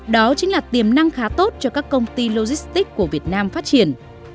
đó chính là tiềm năng khá tốt cho các công ty logistics của việt nam phát triển